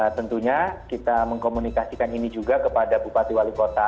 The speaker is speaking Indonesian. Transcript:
tentunya kita mengkomunikasikan ini juga kepada bupati wali kota